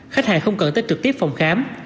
khách hàng không cần tới trực tiếp phòng khám